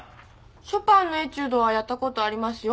ショパンの『エチュード』はやったことありますよ